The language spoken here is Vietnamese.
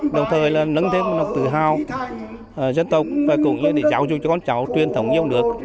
đồng thời là nâng thêm một năng tự hào dân tộc và cũng như để giáo dục cho con cháu truyền thống yêu lực